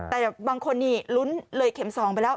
แต่บางคนนี่ลุ้นเลยเข็ม๒ไปแล้ว